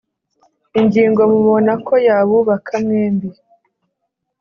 ingingo mubona ko yabubaka mwembi